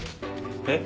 えっ？